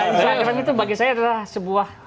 instagram itu bagi saya adalah sebuah